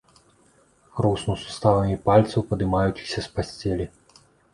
Хруснуў суставамі пальцаў, падымаючыся з пасцелі.